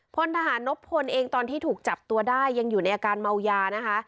พลทหารนบพลเองตอนที่ถูกจับตัวได้ยังอยู่ในอาการเมายานะคะ